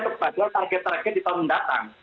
sebagai target target di tahun datang